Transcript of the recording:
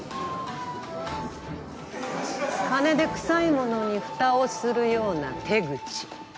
金で臭い物にふたをするような手口。